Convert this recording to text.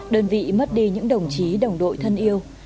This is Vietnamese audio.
đơn vị mất đi những đồng chí đồng đội thân yêu